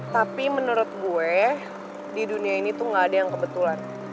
tapi menurut gue di dunia ini tuh gak ada yang kebetulan